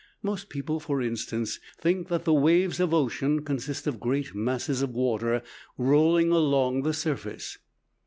Most people, for instance, think that the waves of ocean consist of great masses of water rolling along the surface.